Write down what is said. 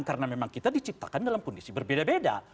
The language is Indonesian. karena memang kita diciptakan dalam kondisi berbeda beda